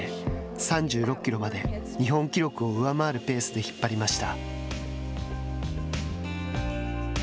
３６キロまで日本記録を上回るペースで引っ張りました。